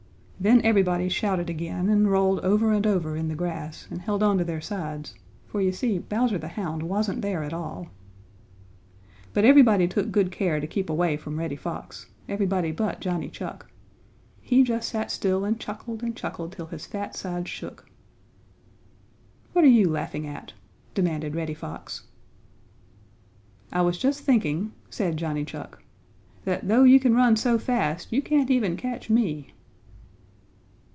Then everybody shouted again and rolled over and over in the grass and held on to their sides, for you see Bowser the Hound wasn't there at all. But everybody took good care to keep away from Reddy Fox, everybody but Johnny Chuck. He just sat still and chuckled and chuckled till his fat sides shook. "What are you laughing at?" demanded Reddy Fox. "I was just thinking," said Johnny Chuck, "that though you can run so fast, you can't even catch me."